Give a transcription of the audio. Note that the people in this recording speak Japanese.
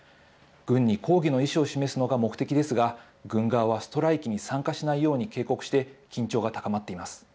軍に抗議の意思を示すのが目的ですが、軍側はストライキに参加しないように警告して、緊張が高まっています。